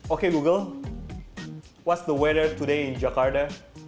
oke google apa cuaca hari ini di jakarta